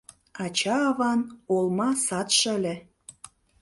Ача-аван олма садше ыле